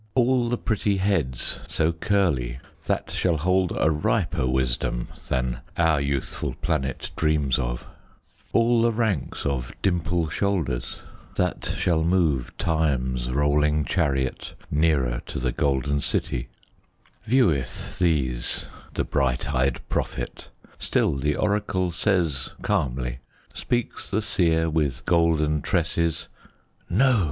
All the pretty heads so curly That shall hold a riper wisdom Than our youthful planet dreams of; All the ranks of dimple shoulders, That shall move Time's rolling chariot Nearer to the golden city; Vieweth these the blue eyed prophet, Still the oracle says calmly, Speaks the seer with golden tresses "No!